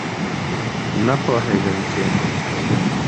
نه پوهېږم چې